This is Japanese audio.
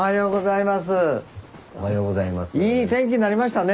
いい天気になりましたね。